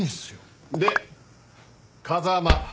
で風間。